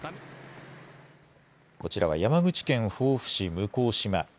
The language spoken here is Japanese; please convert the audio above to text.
こちらは山口県防府市向島。